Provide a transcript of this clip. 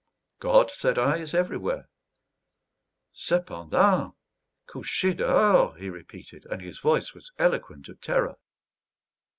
"God," said I, "is everywhere." "Cependant, coucher dehors!" he repeated, and his voice was eloquent of terror.